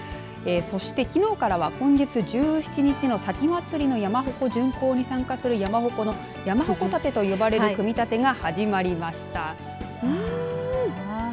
そして、きのうからは今月１７日の前祭の山鉾巡行に参加する山ほこの山鉾建てと呼ばれる組み立てが始まりました。